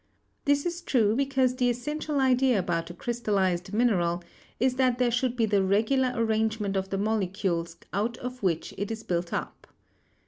This is true because the essential idea about a crystallized mineral is that there should be the regular arrangement of the molecules out of which it is built up.